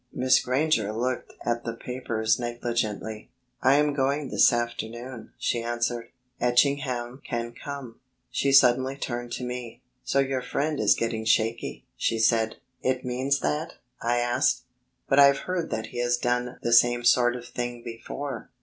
Miss Granger looked at the papers negligently. "I am going this afternoon," she answered. "Etchingham can come...." She suddenly turned to me: "So your friend is getting shaky," she said. "It means that?" I asked. "But I've heard that he has done the same sort of thing before."